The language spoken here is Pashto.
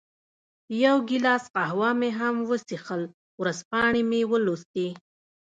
یو ګیلاس قهوه مې هم وڅېښل، ورځپاڼې مې ولوستې.